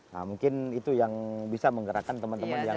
nah mungkin itu yang bisa menggerakkan teman teman yang dua ratus tiga ratus